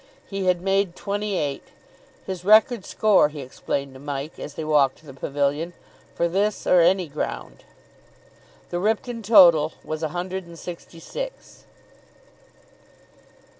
He had made twenty eight. His record score, he explained to Mike, as they walked to the pavilion, for this or any ground. The Ripton total was a hundred and sixty six.